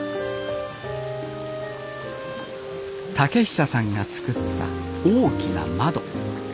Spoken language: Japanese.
岳久さんが作った大きな窓。